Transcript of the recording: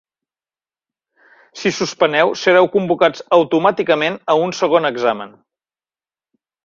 Si suspeneu, sereu convocats automàticament a un segon examen.